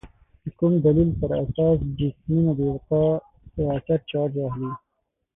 د کوم دلیل په اساس جسمونه القا په اثر چارج اخلي؟